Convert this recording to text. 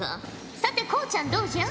さてこうちゃんどうじゃ？